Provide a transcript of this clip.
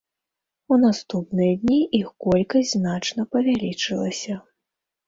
У наступныя дні іх колькасць значна павялічылася.